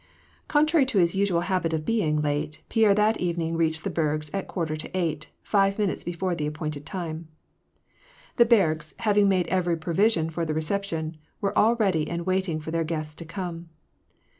Contrary to his usual habit of being late, Pierre that evening reached the Bergs at quarter to eight ; five minutes before the appointed time. The Bergs, having made every provision for the reception, were all ready and waiting for their guests to come.